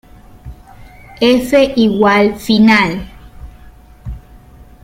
F= Final.